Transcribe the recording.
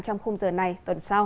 trong khung giờ này tuần sau